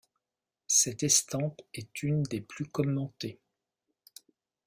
Cette estampe est une des plus commentées.